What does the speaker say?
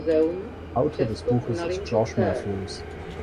Autor des Buches ist Josh Matthews.